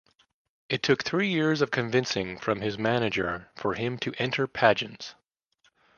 It took three years of convincing from his manager for him to enter pageants.